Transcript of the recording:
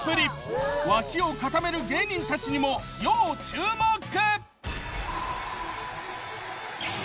脇を固める芸人たちにも要注目。